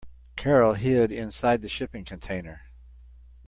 Carol hid inside the shipping container.